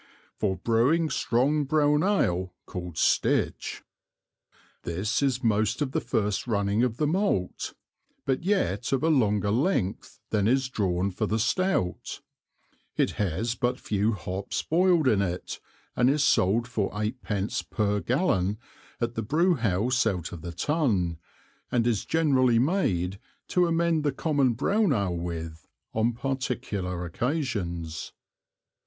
For Brewing strong brown Ale called Stitch. This is most of it the first running of the Malt, but yet of a longer Length than is drawn for the Stout; It has but few Hops boiled in it, and is sold for Eight pence per Gallon at the Brewhouse out of the Tun, and is generally made to amend the common brown Ale with, on particular Occasions.